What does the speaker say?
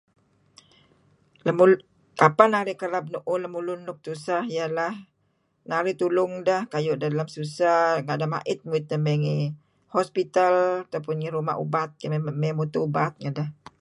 Lemulun ... Kapeh arih kereb mu'uhlemulun luk tuseh ialah narih tulung deh kayu' deh lem susah , nga' deh ma'it muit deh mey hospital atau pun ngi ruma' ubat, mey mutuh ubat ngedeh.